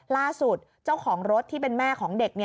ล่าสุดเจ้าของรถที่เป็นแม่ของเด็ก